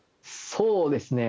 そうですね。